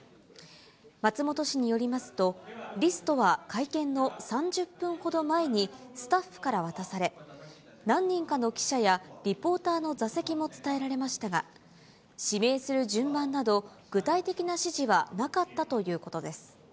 松本氏によりますと、リストは会見の３０分ほど前にスタッフから渡され、何人かの記者やリポーターの座席も伝えられましたが、指名する順番など、具体的な指示はなかったということです。